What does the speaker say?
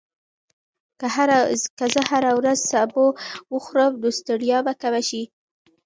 که زه هره ورځ سبو وخورم، نو ستړیا به کمه شي.